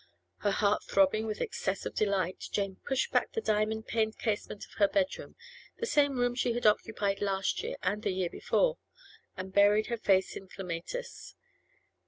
Her heart throbbing with excess of delight, Jane pushed back the diamond paned casement of her bedroom, the same room she had occupied last year and the year before, and buried her face in clematis.